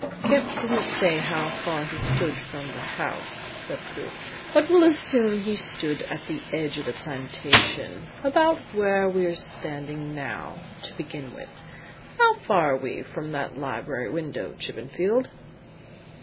"Kemp didn't say how far he stood from the house," said Crewe, "but we'll assume he stood at the edge of the plantation about where we are standing now to begin with. How far are we from that library window, Chippenfield?"